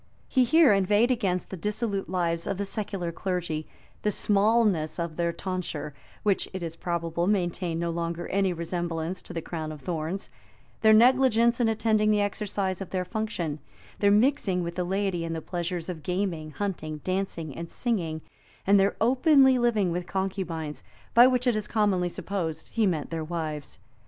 He here inveighed against the dissolute lives of the secular clergy; the smallness of their tonsure, which, it is probable, maintained no longer any resemblance to the crown of thorns; their negligence in attending the exercise of their function; their mixing with the laity in the pleasures of gaming, hunting, dancing, and singing; and their openly living with concubines, by which it is commonly supposed he meant their wives.